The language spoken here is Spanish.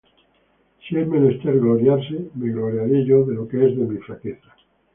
Si es menester gloriarse, me gloriaré yo de lo que es de mi flaqueza.